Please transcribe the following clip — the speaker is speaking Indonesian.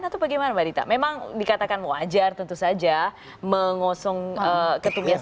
sampai jumpa bersama kami